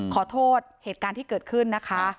ขอโทษเหตุการณ์ที่เกิดขึ้นนะคะ